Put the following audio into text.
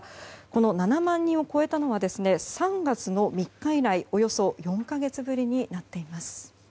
この７万人を超えたのは３月３日以来およそ４か月ぶりになっています。